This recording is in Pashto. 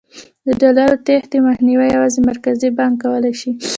د ډالرو تېښتې مخنیوی یوازې مرکزي بانک کولای شي.